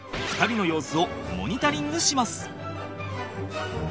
２人の様子をモニタリングします。